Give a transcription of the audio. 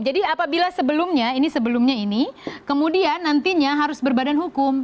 jadi apabila sebelumnya ini sebelumnya ini kemudian nantinya harus berbadan hukum